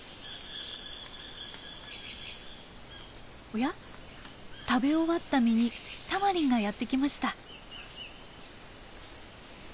おや食べ終わった実にタマリンがやって来ました。